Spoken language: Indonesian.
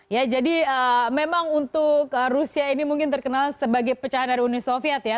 ya jadi memang untuk rusia ini mungkin terkenal sebagai pecahan dari uni soviet ya